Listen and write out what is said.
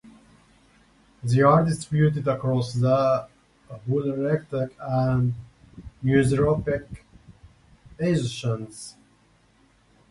They are distributed across the Holarctic and Neotropic ecozones.